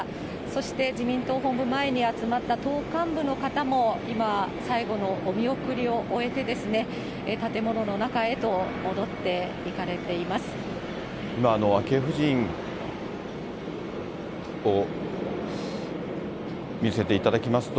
そして自民党本部前に集まった党幹部の方も、今、最後のお見送りを終えて、建物の中へと戻っていかれています。